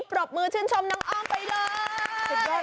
ปลอบมือชื่นชมน้องอ้อมไปเลย